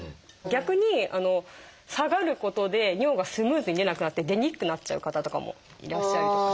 逆に下がることで尿がスムーズに出なくなって出にくくなっちゃう方とかもいらっしゃいます。